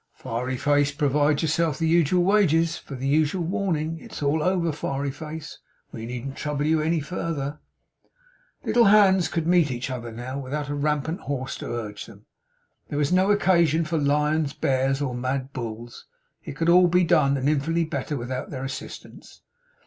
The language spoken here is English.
Fiery Face, provide yourself! The usual wages or the usual warning. It's all over, Fiery Face. We needn't trouble you any further. The little hands could meet each other now, without a rampant horse to urge them. There was no occasion for lions, bears, or mad bulls. It could all be done, and infinitely better, without their assistance.